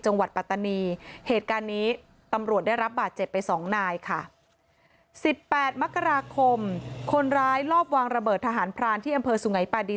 ปัตตานีเหตุการณ์นี้ตำรวจได้รับบาดเจ็บไปสองนายค่ะสิบแปดมกราคมคนร้ายรอบวางระเบิดทหารพรานที่อำเภอสุงัยปาดี